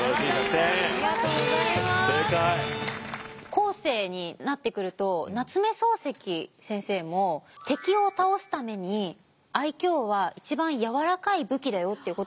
後世になってくると夏目漱石先生も敵を倒すために愛嬌は一番柔らかい武器だよっていう言葉を残してるんですよ。